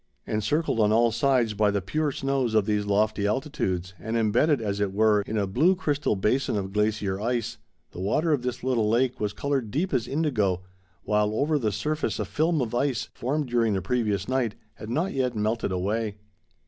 Encircled on all sides by the pure snows of these lofty altitudes, and embedded, as it were, in a blue crystal basin of glacier ice, the water of this little lake was colored deep as indigo, while over the surface a film of ice, formed during the previous night, had not yet melted away. [Illustration: Camp in Paradise Valley.